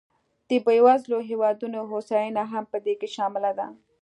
د بېوزلو هېوادونو هوساینه هم په دې کې شامله ده.